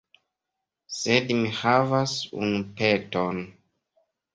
Sed mi havas unu peton.